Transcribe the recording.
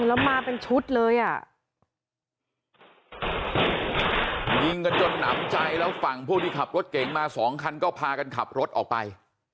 แล้วมาเป็นชุดเลยอ่ะยิงกันจนหนำใจแล้วฝั่งผู้ที่ขับรถเก่งมาสองคันก็พากันขับรถออกไป